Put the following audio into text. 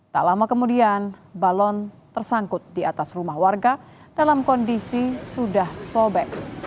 tak lama kemudian balon tersangkut di atas rumah warga dalam kondisi sudah sobek